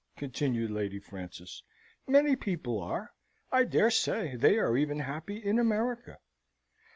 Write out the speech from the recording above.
continued Lady Frances. "Many people are. I dare say they are even happy in America."